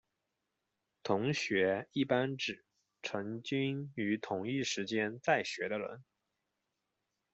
同学一般指曾经于同一时间在学的人。